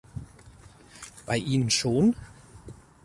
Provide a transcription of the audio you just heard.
Bei Ihnen schon?